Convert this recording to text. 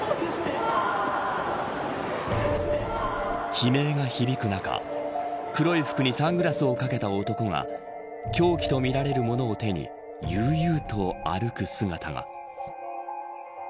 悲鳴が響く中、黒い服にサングラスをかけた男が凶器とみられるものを手に悠々と歩く姿が。